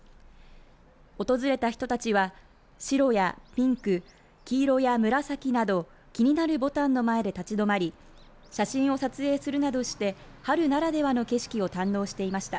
訪れた人たちは、白やピンク黄色や紫など気になるぼたんの前で立ち止まり写真を撮影するなどして春ならではの景色を堪能していました。